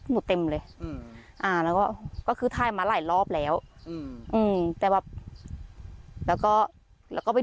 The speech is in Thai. นี่โตมาแล้วมาโดนแบบนี้แล้วมาโดนแบบนี้